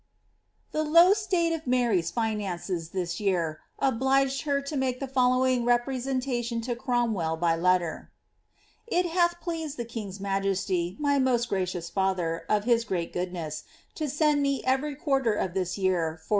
'he low state of Mary^s finances, this year, obliged her to make the iwing representation to Cromwell by letter :'—^ It hath pleased the fB majesty, my most gracious father, of his great goodness, to send every quarter of this year 4U